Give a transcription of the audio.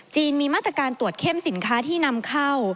มีมาตรการตรวจเข้มสินค้าที่นำเข้า